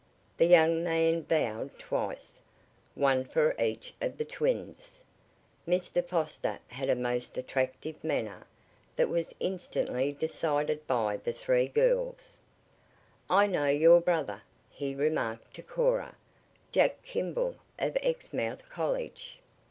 The young man bowed twice, once for each of the twins. Mr. Foster had a most attractive manner that was instantly decided by the three girls. "I know your brother," he remarked to Cora. "Jack Kimball, of Exmouth College."